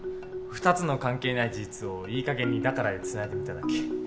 ２つの関係ない事実をいい加減に「だから」でつないでみただけ。